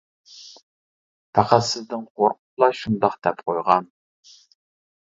پەقەت سىزدىن قورقۇپلا شۇنداق دەپ قويغان.